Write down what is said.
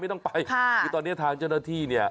ไม่ต้องไปคือตอนนี้ทางเจ้าหน้าที่